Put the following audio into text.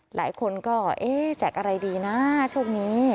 หลายคนก็เอ๊ะแจกอะไรดีนะช่วงนี้